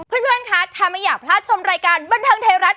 เพื่อนคะถ้าไม่อยากพลาดชมรายการบันเทิงไทยรัฐ